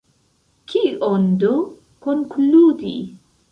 Kion do konkludi?